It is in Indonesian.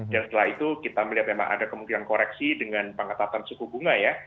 dan setelah itu kita melihat memang ada kemungkinan koreksi dengan pengatatan suku bunga ya